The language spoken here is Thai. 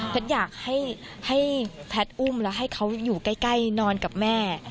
อยากให้แพทย์อุ้มแล้วให้เขาอยู่ใกล้นอนกับแม่